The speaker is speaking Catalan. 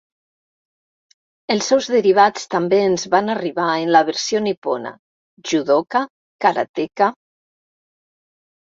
Els seus derivats també ens van arribar en la versió nipona: judoka, karateka.